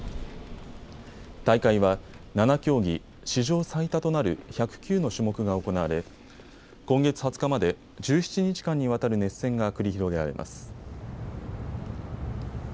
大会は７競技、史上最多となる１０９の種目が行われ今月２０日まで１７日間にわたる熱戦が繰り広げられます。